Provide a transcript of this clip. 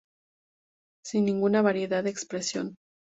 Sin ninguna variedad de expresión.